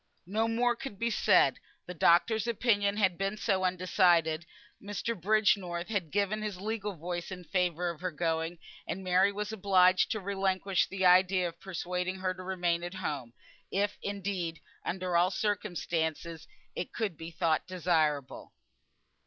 No more could be said, the doctor's opinion had been so undecided; Mr. Bridgenorth had given his legal voice in favour of her going, and Mary was obliged to relinquish the idea of persuading her to remain at home, if indeed under all the circumstances it could be thought desirable.